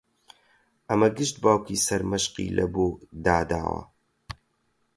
ئەمە گشت باوکی سەرمەشقی لەبۆ داداوە